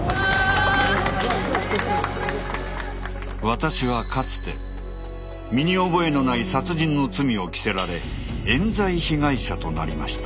私はかつて身に覚えのない殺人の罪を着せられえん罪被害者となりました。